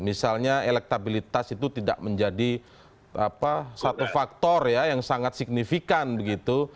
misalnya elektabilitas itu tidak menjadi satu faktor ya yang sangat signifikan begitu